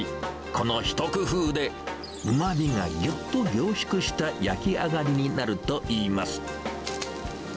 この一工夫で、うまみがぎゅっと凝縮した焼き上がりになるといいます。